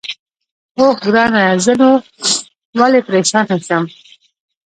اوه، ګرانه زه نو ولې پرېشانه شم؟